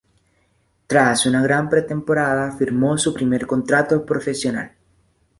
Tras una gran pretemporada, firmo su primer contrato profesional.